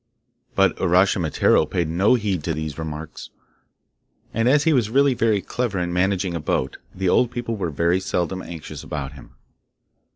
But Uraschimataro paid no heed to these remarks, and as he was really very clever in managing a boat, the old people were very seldom anxious about him.